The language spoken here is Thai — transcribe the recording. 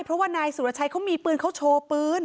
เพราะว่านายสุรชัยเขามีปืนเขาโชว์ปืน